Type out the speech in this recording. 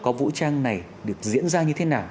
có vũ trang này được diễn ra như thế nào